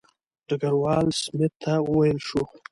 ډګروال سمیت ته وویل شو.